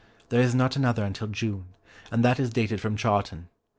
There is not another until June, and that is dated from Chawton.